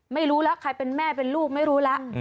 ไม่รู้แล้วใครเป็นแม่เป็นลูกไม่รู้แล้ว